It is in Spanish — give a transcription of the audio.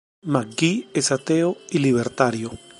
McGee es ateo y libertario.